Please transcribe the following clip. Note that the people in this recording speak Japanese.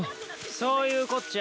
そういうこっちゃ。